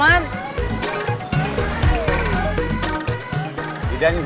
barang cirebon cirebon dasik